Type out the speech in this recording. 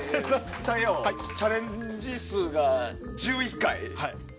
タイヤ王チャレンジ数が１１回。